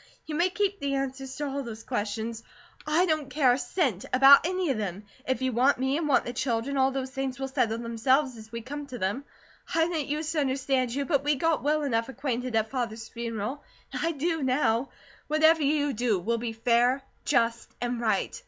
You may keep the answers to all those questions; I don't care a cent about any of them. If you want me, and want the children, all those things will settle themselves as we come to them. I didn't use to understand you; but we got well enough acquainted at Father's funeral, and I do, now. Whatever you do will be fair, just, and right.